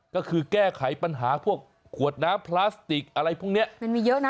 ก็คือแก้ไขปัญหาพวกขวดน้ำพลาสติกอะไรพวกเนี้ย